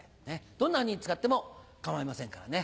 どんなふうに使っても構いませんからね。